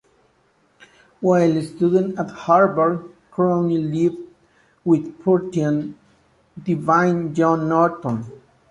While studying at Harvard, Crowne lived with Purtian divine John Norton.